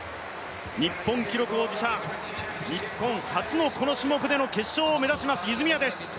日本記録保持者、日本初のこの種目での決勝を目指します、泉谷です。